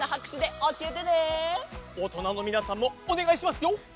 おとなのみなさんもおねがいしますよ。